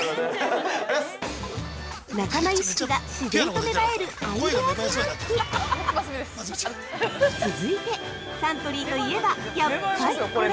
◆仲間意識が自然と芽生えるアイデア自販機！続いて、サントリーといえばやっぱりこれ！